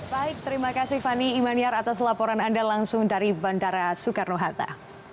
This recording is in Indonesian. baik terima kasih fani imaniar atas laporan anda langsung dari bandara soekarno hatta